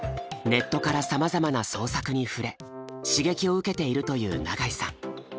ネットからさまざまな創作に触れ刺激を受けているという永井さん。